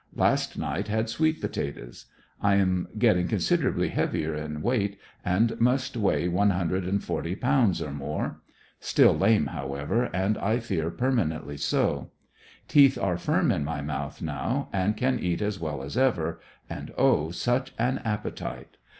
Last night had sweet potatoes. I am getting considerably heavier in weight, and must w^eigh one hun dred and forty pounds or more. Still lame, however, and I fear permanently so. Teefii are firm in my mouth now, and can eat as well as ever, and oh! such an appetite.